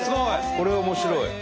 これ面白い。